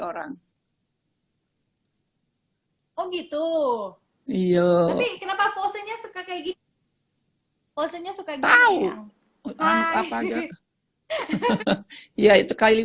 orangstro menoh gitu tapi kenapa posennya suka kayak posennya suka cowok p comedy test ya itu fate